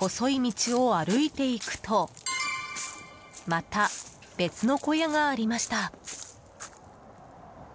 細い道を歩いていくとまた別の小屋がありました。